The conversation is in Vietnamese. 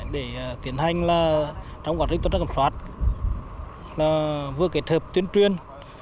để tiến hành trong quản lý tuần tra kiểm soát vừa kết hợp tuyến truyền